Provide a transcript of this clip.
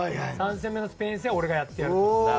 ３戦目のスペイン戦は俺がやってやるって。